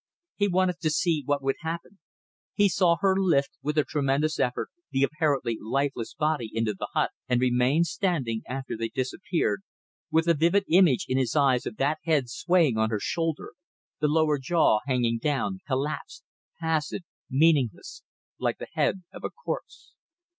He wanted to see what would happen. He saw her lift, with a tremendous effort, the apparently lifeless body into the hut, and remained standing, after they disappeared, with the vivid image in his eyes of that head swaying on her shoulder, the lower jaw hanging down, collapsed, passive, meaningless, like the head of a corpse.